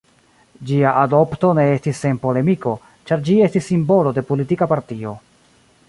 Ĝia adopto ne estis sen polemiko, ĉar ĝi estis simbolo de politika partio.